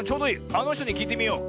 あのひとにきいてみよう。